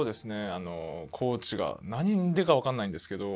あのコーチがなんでかわかんないんですけど。